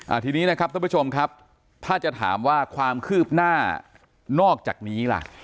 ทีนี้นะครับท่านผู้ชมครับถ้าจะถามว่าความคืบหน้านอกจากนี้ล่ะ